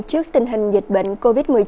trước tình hình dịch bệnh covid một mươi chín